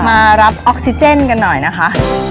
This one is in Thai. มารับออกซิเจนกันหน่อยนะคะ